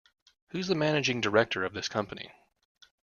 Who's the managing director of this company?